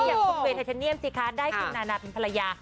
อยากคุกเวทย์ธันเนียมสิคะได้คุณนาเป็นภรรยา